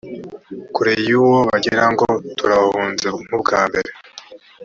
kure yawo bagire ngo turabahunze nk ubwa mbere